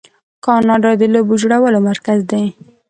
کاناډا د لوبو جوړولو مرکز دی.